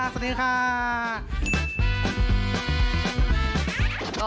สวัสดีค่ะ